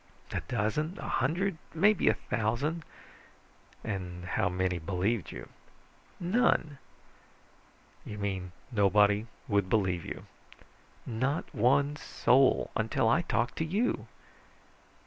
"A dozen, a hundred, maybe a thousand." "And how many believed you?" "None." "You mean nobody would believe you?" "Not one soul. Until I talked to you."